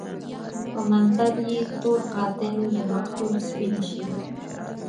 په منتر يې تور قاتل دمقتل سپين شي